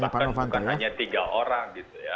bahkan bukan hanya tiga orang